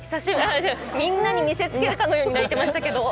みんなに見せつけるかのように泣いてますけども。